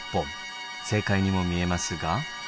正解にも見えますが。